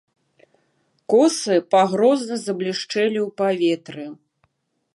Косы пагрозна заблішчэлі ў паветры.